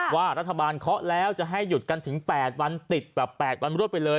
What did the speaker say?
ว่ารัฐบาลเคาะแล้วจะให้หยุดกันถึง๘วันติดแบบ๘วันรวดไปเลย